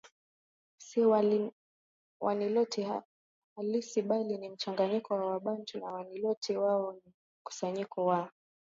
si Waniloti halisi bali ni mchanganyiko wa Wabantu na Waniloti Wao ni mkusanyiko wa